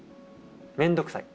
面倒くさい。